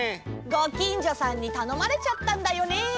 ごきんじょさんにたのまれちゃったんだよね。